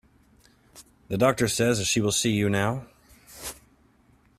The doctor says that she will see you now.